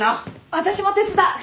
私も手伝う！